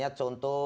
ya aneb itu